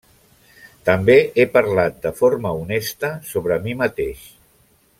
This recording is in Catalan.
També he parlat de forma honesta sobre mi mateix.